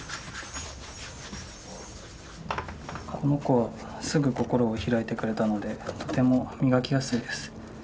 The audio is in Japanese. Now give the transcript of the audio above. この子はすぐ心を開いてくれたのでとても磨きやすいです。